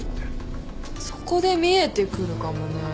そこで見えてくるかもね。